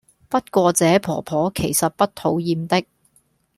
不過這婆婆其實不討厭的